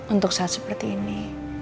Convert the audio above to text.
untuk saat seperti ini